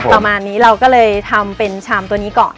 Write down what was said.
ประมาณนี้เราก็เลยทำเป็นชามตัวนี้ก่อน